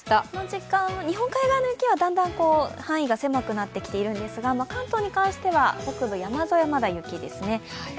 この時間は日本海側の雪はだんだん範囲は狭くなってきているんですが、関東に関しては北部、山沿いはまだ雪ですね。